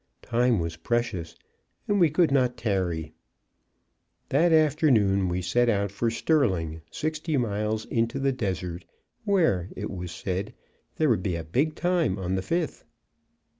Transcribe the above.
Time was precious, and we could not tarry. That afternoon we set out for Sterling, sixty miles into the desert, where, it was said, there would be a big time on the fifth.